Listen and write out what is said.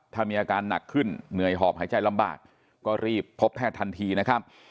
ถ้ามีอาการหนักขึ้นเหนื่อยหอบหายใจลำบากก็รีบพบแพทย์ทันทีนะครับ